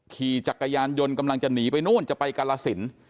ขี่จักรยานยนต์กำลังจะหนีไปนู่นจะไปกาลสิน